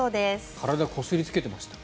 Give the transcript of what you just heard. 体、こすりつけてました。